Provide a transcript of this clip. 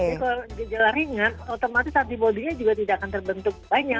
tapi kalau gejala ringan otomatis antibody nya juga tidak akan terbentuk banyak